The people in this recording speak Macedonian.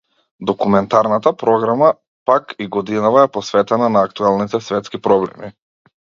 Документарната програма, пак, и годинава е посветена на актуелните светски проблеми.